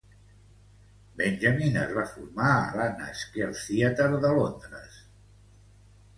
Benjamin es va formar a l'Anna Scher Theatre de Londres.